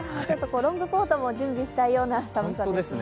ロングコートも準備したくなるような寒さですね。